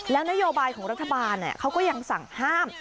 แล้วนโยบายของรัฐบาลเขาก็ยังสั่งห้าม